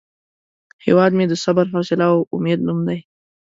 هیواد مې د صبر، حوصله او امید نوم دی